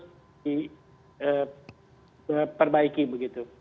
terus diperbaiki begitu